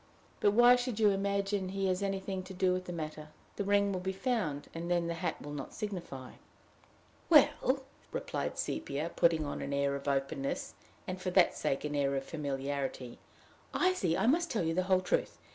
"But why should you imagine he has had anything to do with the matter? The ring will be found, and then the hat will not signify." "Well," replied Sepia, putting on an air of openness, and for that sake an air of familiarity, "I see I must tell you the whole truth.